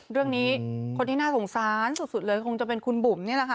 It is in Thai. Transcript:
เรื่องนี้คนที่น่าสงสารสุดเลยคงจะเป็นคุณบุ๋มนี่แหละค่ะ